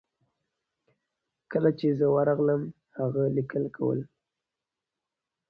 کله چې زه ورغلم هغه لیکل کول.